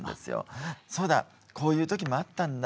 そうだこういう時もあったんだ